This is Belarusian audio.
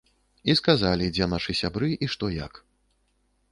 І сказалі, дзе нашы сябры і што як.